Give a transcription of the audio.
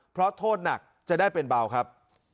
เพราะโทษหนักจะได้เป็นเบาครับ